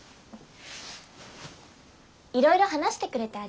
いろいろ話してくれてありがと。